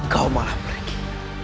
kau malah pergi